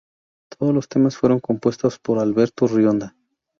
Todos los temas fueron compuestos por Alberto Rionda.